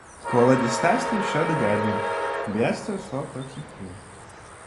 Kolēģe stāstīja šādu gadījumu: bija atstājusi laukos acu tušu.